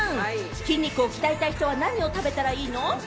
筋肉を鍛えたい人は何を食べたらいいの？